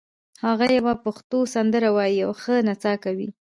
هغه یوه پښتو سندره وایي او ښه نڅا کوي